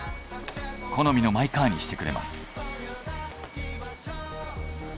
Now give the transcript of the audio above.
好みのマイカーにしてくれます。